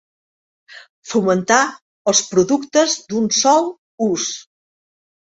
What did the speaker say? Fomentar els productes d'un sol ús.